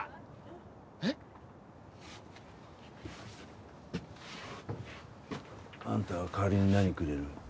えっ？あんたは代わりに何くれる？